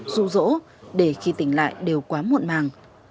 dù rỗ để khi tỉnh lại đều quá muộn màng